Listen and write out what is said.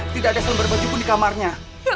tidak ada sel berbajuku di kamarnya